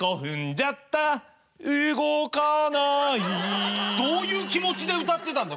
じゃったうごかないどういう気持ちで歌ってたんだ